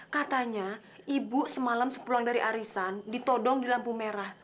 katanya ibu semalam sepulang dari arisan ditodong di lampu merah